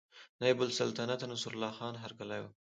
نایب السلطنته نصرالله خان هرکلی وکړ.